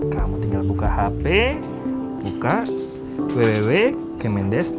kamu tinggal buka hp buka www kemendes go id